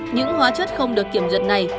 những hóa chất không được kiểm dựt này